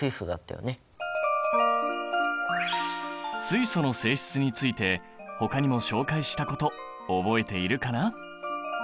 水素の性質についてほかにも紹介したこと覚えているかな？